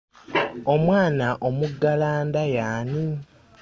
Omwana omuggalanda y'ani?